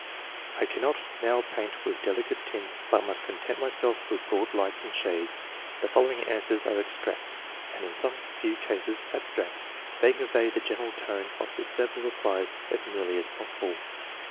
I naimot now paint with delicate tints, but must IV.] EDUCATION. 237 content myself with broad lights and shades. The following answers are extracts, and, in some few cases, abstracts ; they convey the general tone of the several replies as nearly as possible.